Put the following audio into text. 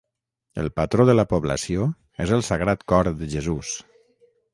El patró de la població és el Sagrat Cor de Jesús.